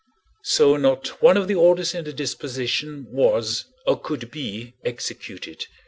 So not one of the orders in the disposition was, or could be, executed.